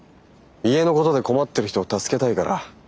家のことで困ってる人を助けたいから。